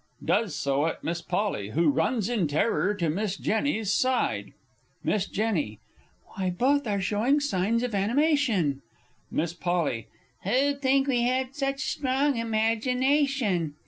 [Does so at Miss P., who runs in terror to Miss J.'s side. Miss J. Why, both are showing signs of animation. Miss P. Who'd think we had such strong imagination!